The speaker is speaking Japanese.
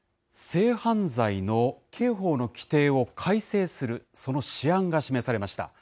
性犯罪の刑法の規定を改正する、その試案が示されました。